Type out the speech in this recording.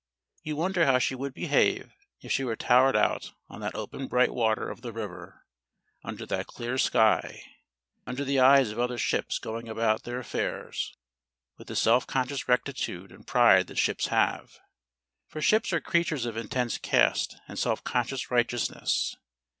You wonder how she would behave if she were towed out on the open bright water of the river, under that clear sky, under the eyes of other ships going about their affairs with the self conscious rectitude and pride that ships have. For ships are creatures of intense caste and self conscious righteousness.